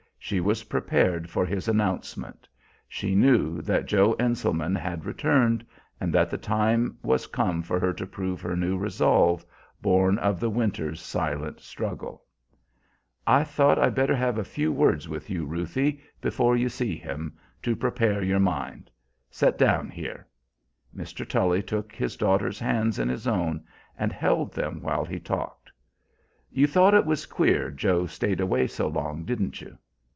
She was prepared for his announcement. She knew that Joe Enselman had returned, and that the time was come for her to prove her new resolve, born of the winter's silent struggle. "I thought I'd better have a few words with you, Ruthie, before you see him to prepare your mind. Set down here." Mr. Tully took his daughter's hands in his own and held them while he talked. "You thought it was queer Joe stayed away so long, didn't you?"